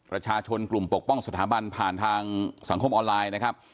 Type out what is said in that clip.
ประชาชนกลุ่มปกป้องสถาบันผ่านทางสังคมออนไลน์นะครับ